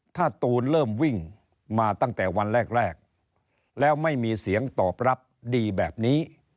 ถ้าตูนเริ่มวิ่งมาตั้งแต่วันแรกแล้วไม่มีเสียงตอบรับดีแบบนี้